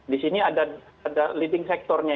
di sini ada leading sectornya